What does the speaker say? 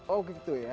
oh gitu ya